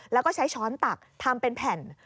แล้วก็ใช้ช้อนตักทำเป็นแผ่น